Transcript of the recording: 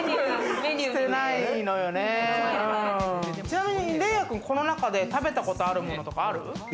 ちなみに黎弥くん、この中で食べたことあるものとかある？